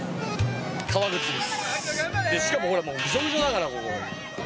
しかもほらもうぐしょぐしょだからここ。